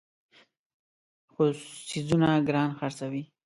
خو څیزونه ګران خرڅوي.